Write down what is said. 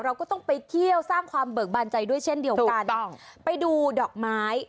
เราก็ต้องไปเที่ยวสร้างความเบิกบานใจครับเท่านั้นจะต้องไปดูดอกไม้